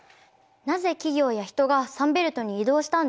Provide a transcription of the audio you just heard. なぜ企業や人がサンベルトに移動したんですか？